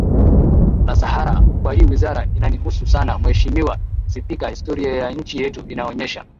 la sahara kwa hii wizara inanihusu sana Mheshimiwa Spika historia ya nchi yetu inaonyesha